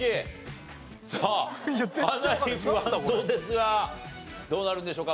さあかなり不安そうですがどうなるんでしょうか？